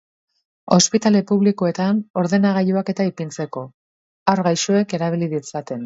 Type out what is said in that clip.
Ospitale publikoetan ordenagailuak-eta ipintzeko, haur gaixoek erabil ditzaten.